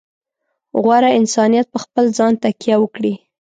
غوره انسانیت په خپل ځان تکیه وکړي.